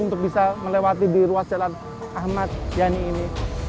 untuk bisa melewati di ruas jalan ahmad yani ini